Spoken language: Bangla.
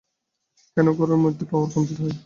কেন, ঘরের মধ্যে পাওয়ার কমতি হল কোথায়?